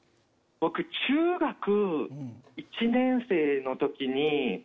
僕中学１年生の時に。